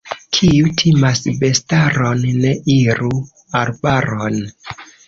Kiu timas bestaron, ne iru arbaron.